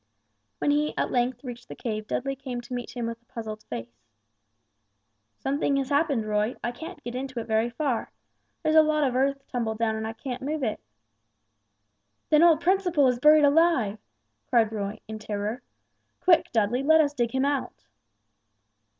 When he at length reached the cave Dudley came to meet him with a puzzled face. "Something has happened, Roy. I can't get into it very far; there's a lot of earth tumbled down and I can't move it." "Then old Principle is buried alive!" cried Roy in terror. "Quick, Dudley, let us dig him out."